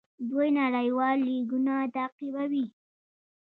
دوی نړیوال لیګونه تعقیبوي.